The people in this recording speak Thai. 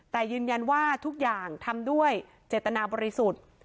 แต่ยืนยันว่าทุกอย่างทำด้วยเจตนาบริสุทธิ์